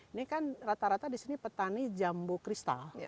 ini kan rata rata di sini petani jambu kristal